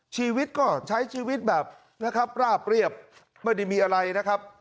ชีวิตก็ใช้ชีวิตแบบนะครับราบเรียบไม่ได้มีอะไรนะครับ